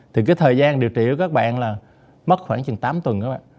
thì cái thời gian điều trị của các bạn là mất khoảng tám tuần các bạn